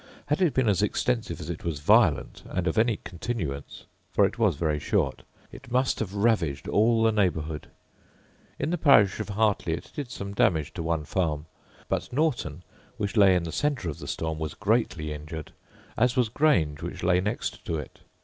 Had it been as extensive as it was violent, and of any continuance (for it was very short), it must have ravaged all the neighbourhood. In the parish of Hartley it did some damage to one farm; but Norton, which lay in the centre of the storm, was greatly injured; as was Grange, which lay next to it.